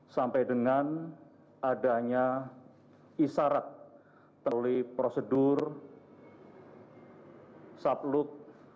sampai dengan adanya isarat terkait prosedur subluc